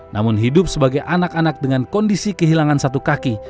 namun hidup sebagai anak anak dengan kondisi kehilangan satu kaki